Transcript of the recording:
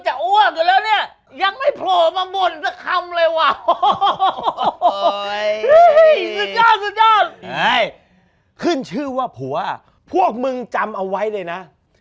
เฮ้ยขึ้นชื่อว่าผัวพวกมึงจำเอาไว้เลยนะ